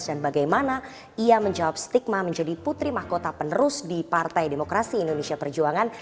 dan bagaimana ia menjawab stigma menjadi putri mahkota penerus di partai demokrasi indonesia perjuangan